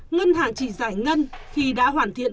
ngân hàng chỉ giải ngân khi đã hoàn thiện